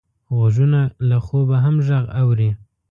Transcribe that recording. غوږونه له خوبه هم غږ اوري